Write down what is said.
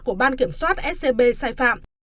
của ban kiểm soát scb sai phạm